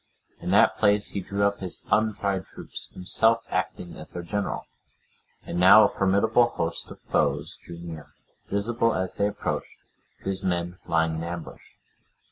In that place he drew up his untried troops, himself acting as their general. And now a formidable host of foes drew near, visible, as they approached, to his men lying in ambush.